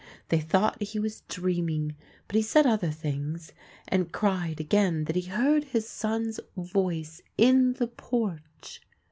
They thought he was dreaming. But he said other things, and cried again that he heard his son's voice in the Porch.